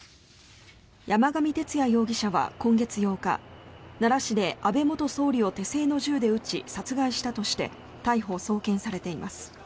山上徹也容疑者は今月８日奈良市で安倍元総理を手製の銃で撃ち、殺害したとして逮捕・送検されています。